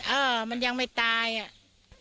เออมันยังไม่ตายอ่ะ